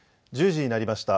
１０時になりました。